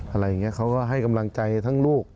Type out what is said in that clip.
อะไรอย่างนี้เขาก็ให้กำลังใจทั้งลูก